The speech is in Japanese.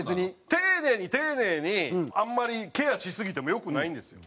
丁寧に丁寧にあんまりケアしすぎても良くないんですよ。